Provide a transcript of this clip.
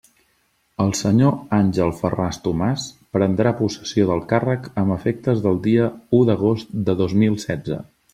El senyor Àngel Ferràs Tomàs prendrà possessió del càrrec amb efectes del dia u d'agost de dos mil setze.